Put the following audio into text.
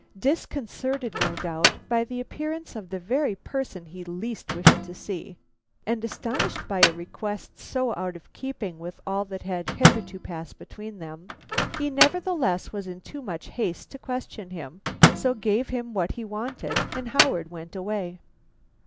Disconcerted no doubt by the appearance of the very person he least wished to see, and astonished by a request so out of keeping with all that had hitherto passed between them, he nevertheless was in too much haste to question him, so gave him what he wanted and Howard went away.